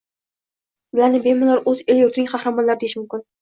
Ularni bemalol o’z elu yurtining qahramonlari deyish mumkin.